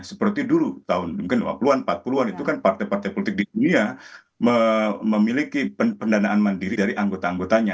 seperti dulu tahun mungkin dua puluh an empat puluh an itu kan partai partai politik di dunia memiliki pendanaan mandiri dari anggota anggotanya